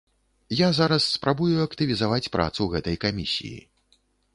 Я зараз спрабую актывізаваць працу гэтай камісіі.